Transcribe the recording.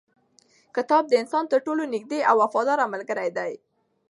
کتاب د انسان تر ټولو نږدې او وفاداره ملګری دی.